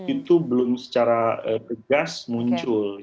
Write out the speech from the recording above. itu belum secara tegas muncul